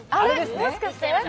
もしかして？